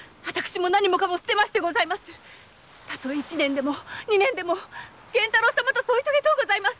たとえ一年二年でも源太郎様と添い遂げとうございます。